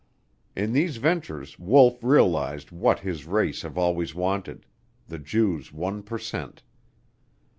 In these ventures Wolf realized what his race have always wanted the Jew's one per cent.